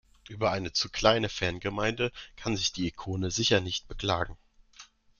Über eine zu kleine Fangemeinde kann sich die Ikone sicher nicht beklagen.